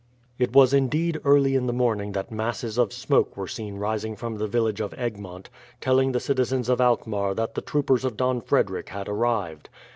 It was indeed early in the morning that masses of smoke were seen rising from the village of Egmont, telling the citizens of Alkmaar that the troopers of Don Frederick had arrived.